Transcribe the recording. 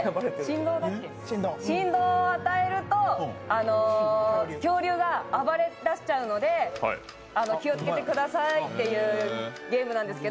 振動を与えると恐竜が暴れだしちゃうので気をつけてくださいっていうゲームなんですけど。